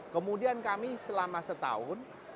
kemudian kami selama setahun